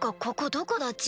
ここどこだ？